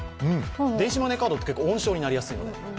電子マネーカードって温床になりやすいので。